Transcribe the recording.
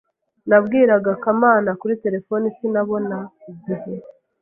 Nabwiraga Kamana kuri terefone sinabona igihe.